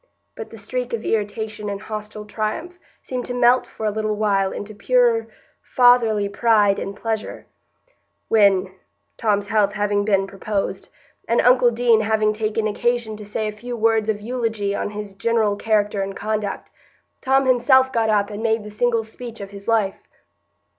But the streak of irritation and hostile triumph seemed to melt for a little while into purer fatherly pride and pleasure, when, Tom's health having been proposed, and uncle Deane having taken occasion to say a few words of eulogy on his general character and conduct, Tom himself got up and made the single speech of his life.